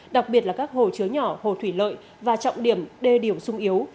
đặc biệt là các hồ chứa nhỏ hồ thủy lợi và trọng điểm đê điểm sung yếu